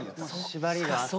縛りがあった。